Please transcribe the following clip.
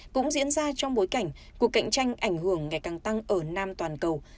cũng diễn ra trong bối cảnh cuộc cạnh tranh ảnh hưởng ngày càng tăng ở nam toàn cầu